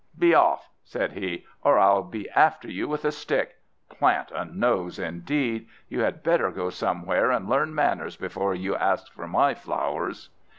"Be off!" said he, "or I'll be after you with a stick! Plant a nose, indeed! You had better go somewhere and learn manners before you ask for my flowers!"